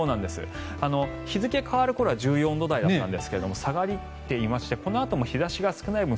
日付変わる頃は１４度台だったんですが下がっていましてこのあとも日差しが少ない分